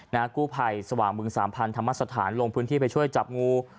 กู้ภัยสว่างบึงสามพันธรรมสถานลงพื้นที่ไปช่วยจับงู